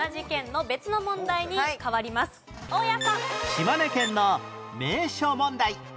島根県の名所問題